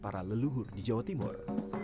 para leluhur di jawa timur